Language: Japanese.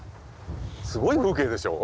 すごい風景でしょう？